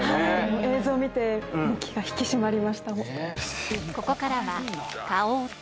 映像を見て気が引き締まりました。